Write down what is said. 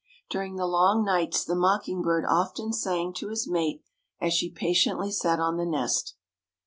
During the long nights the mocking bird often sang to his mate as she patiently sat on the nest.